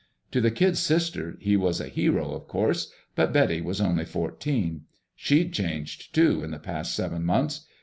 To the kid sister, he was a hero, of course, but Betty was only fourteen. She'd changed, too, in the past seven months.